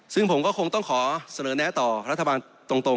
ซึ่งผมก็คงต้องขอเสนอแนะต่อรัฐบาลตรง